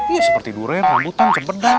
ya seperti durian rambutan kebeda